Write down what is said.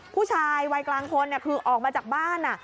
ผู้ชายวัยกลางคนคือออกมาจากบ้าน